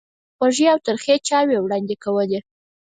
خوږې او ترخې چایوې وړاندې کولې.